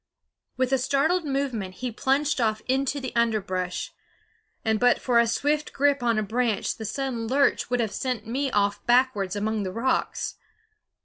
With a startled movement he plunged off into the underbrush, and but for a swift grip on a branch the sudden lurch would have sent me off backward among the rocks.